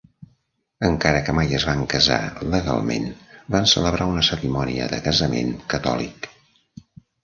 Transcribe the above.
Encara que mai es van casar legalment, van celebrar una cerimònia de casament catòlic.